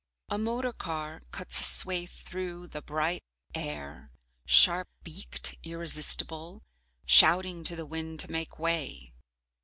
A motor car cuts a swathe through the bright air, sharp beaked, irresistible, shouting to the wind to make way.